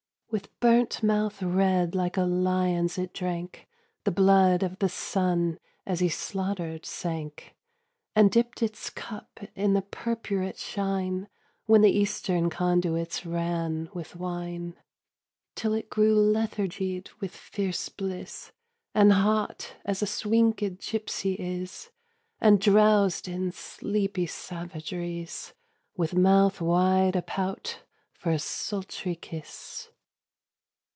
With burnt mouth red like a lion's it drank The blood of the sun as he slaughtered sank, And dipped its cup in the purpurate shine When the eastern conduits ran with wine; Till it grew lethargied with fierce bliss, And hot as a swinkèd gipsy is, And drowsed in sleepy savageries, With mouth wide a pout for a sultry kiss.